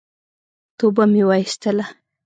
توبه مي واېستله !